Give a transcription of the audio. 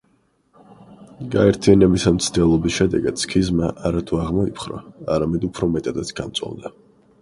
გაერთიანების ამ მცდელობის შედეგად სქიზმა არა თუ აღმოიფხვრა, არამედ უფრო მეტადაც გამწვავდა.